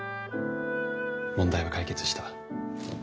問題は解決した。